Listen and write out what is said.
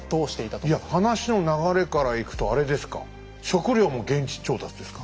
いや話の流れからいくとあれですか食料も現地調達ですか。